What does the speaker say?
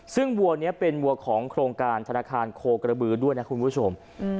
ซึ่งวัวนี้เป็นวัวของโครงการธนาคารโคกระบือด้วยนะคุณผู้ชม